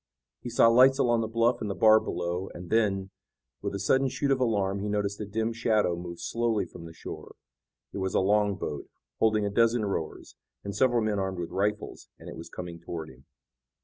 He saw lights along the bluff and the bar below, and then, with a sudden shoot of alarm he noticed a dim shadow move slowly from the shore. It was a long boat, holding a dozen rowers, and several men armed with rifles, and it was coming toward him.